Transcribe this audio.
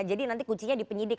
jadi nanti kuncinya di penyidik